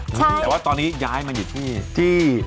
แต่ว่าตอนนี้ย้ายมาอยู่ที่